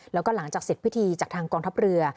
แล้วก็หลังจากเสร็จพิธีจากทางกองทัพเรือ